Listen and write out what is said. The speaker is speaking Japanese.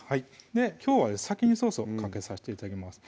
きょうは先にソースをかけさせて頂きます